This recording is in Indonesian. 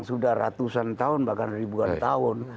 sudah ratusan tahun bahkan ribuan tahun